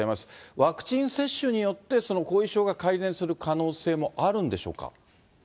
ワクチン接種によって後遺症が改善する可能性もあるんでしょうか。